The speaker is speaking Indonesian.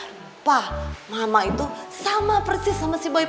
lupa mama itu sama persis sama si boy